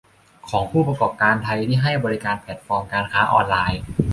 ของผู้ประกอบการไทยที่ให้บริการแพลตฟอร์มการค้าออนไลน์